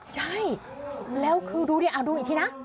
ใช่แล้วคือดูดิเอาดูอีกทีนะ